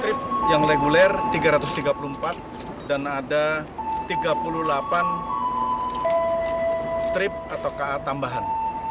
trip yang reguler tiga ratus tiga puluh empat dan ada tiga puluh delapan strip atau ka tambahan